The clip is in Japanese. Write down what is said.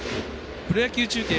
プロ野球中継